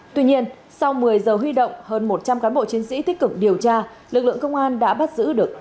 tuy nhiên sau một mươi giờ huy động hơn một trăm linh cán bộ chiến sĩ tích cực điều tra lực lượng công an đã bắt giữ được